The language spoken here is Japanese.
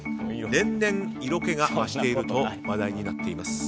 年々色気が増していると話題になっています。